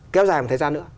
kéo dài một thời gian nữa